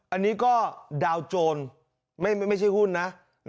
อันนี้ก็ดาวโจรไม่ใช่หุ้นนะ